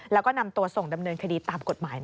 แล้วก็นำตัวส่งดำเนินคดีตามกฎหมาย